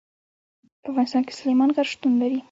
په افغانستان کې سلیمان غر شتون لري.